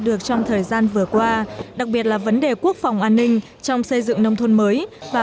được trong thời gian vừa qua đặc biệt là vấn đề quốc phòng an ninh trong xây dựng nông thôn mới và